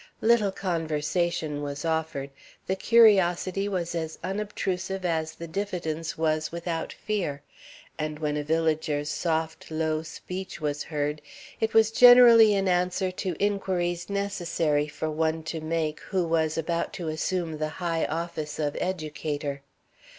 Little conversation was offered. The curiosity was as unobtrusive as the diffidence was without fear; and when a villager's soft, low speech was heard, it was generally in answer to inquiries necessary for one to make who was about to assume the high office of educator.